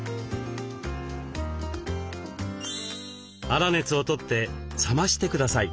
粗熱をとって冷ましてください。